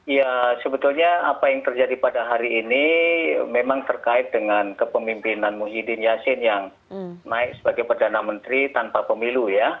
ya sebetulnya apa yang terjadi pada hari ini memang terkait dengan kepemimpinan muhyiddin yasin yang naik sebagai perdana menteri tanpa pemilu ya